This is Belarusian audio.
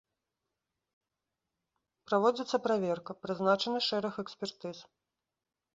Праводзіцца праверка, прызначаны шэраг экспертыз.